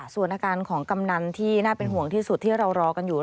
ส่วนอาการของกำนันที่น่าเป็นห่วงที่สุดที่เรารอกันอยู่